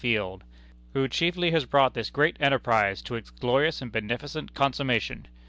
Field, who chiefly has brought this great enterprise to its glorious and beneficent consummation.